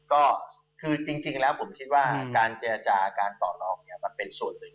ก็คือจริงแล้วผมคิดว่าการเจรจาการต่อรองเนี่ยมันเป็นส่วนหนึ่ง